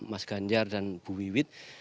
mas ganjar dan bu wiwit